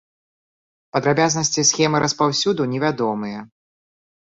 Падрабязнасці схемы распаўсюду невядомыя.